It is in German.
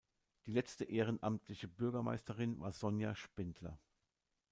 Die letzte ehrenamtliche Bürgermeisterin war Sonja Spindler.